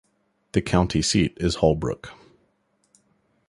The county seat is Holbrook.